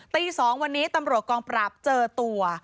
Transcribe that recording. ตี๒วันนี้ตำรวจกองปราบเจอตัว